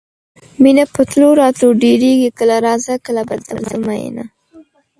مینه په تلو راتلو ډیریږي کله راځه کله به زه درځم میینه